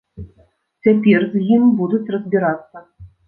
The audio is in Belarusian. Цяпер з ім будуць разбірацца.